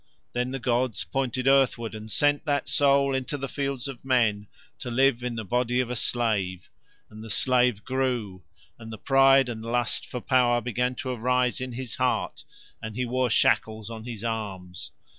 Then the gods pointed earthward and sent that soul into the fields of men to live in the body of a slave. And the slave grew, and the pride and lust for power began to arise in his heart, and he wore shackles on his arms.